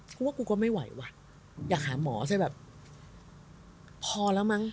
กูว่ากูก็ไม่ไหววะอยากหาหมอซะแบบพอแล้วมั้ง